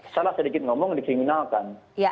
salah sedikit ngomong dikriminalkan